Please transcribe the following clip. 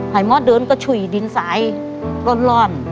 ให้ม้อเดินก็ช่วยดินซ้ายร้อน